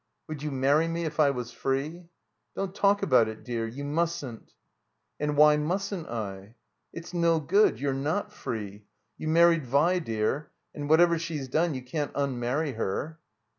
"Would you marry me if I was free?" "Don't talk about it, dear. You mustn't." "And why mustn't I?" "It's no good. You're not free. You married Vi, dear, and whatever she's done you can't un marry her."